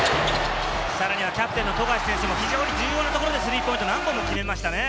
さらにキャプテンの富樫選手も非常に重要なところでスリーポイントを何本も決めましたね。